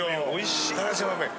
おいしい物